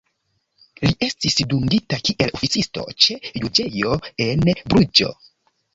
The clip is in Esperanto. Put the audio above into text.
Li estis dungita kiel oficisto ĉe juĝejo en Bruĝo.